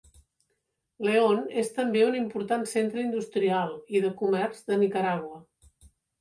León és també un important centre industrial i de comerç de Nicaragua.